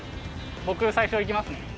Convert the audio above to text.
僕最初行きますね。